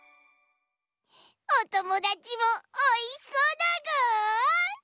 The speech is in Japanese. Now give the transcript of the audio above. おともだちもおいしそうだぐ！